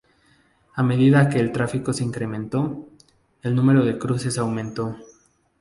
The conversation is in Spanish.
A medida que el tráfico se incrementó, el número de cruces aumentó.